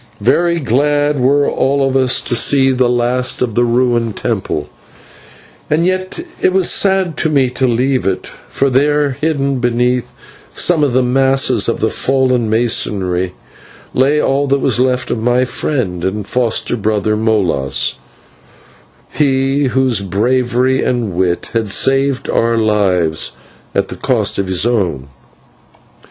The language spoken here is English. Very glad were all of us to see the last of that ruined temple, and yet it was sad to me to leave it, for there, hidden beneath some of the masses of the fallen masonry, lay all that was left of my friend and foster brother, Molas, he whose bravery and wit had saved our lives at the cost of his own.